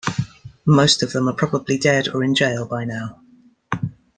Most of them are probably dead or in jail by now.